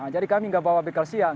jadi kami nggak bawa bekal siang